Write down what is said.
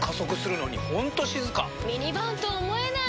ミニバンと思えない！